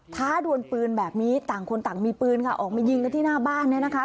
ท้าดวนปืนแบบนี้ต่างคนต่างมีปืนค่ะออกมายิงกันที่หน้าบ้านเนี่ยนะคะ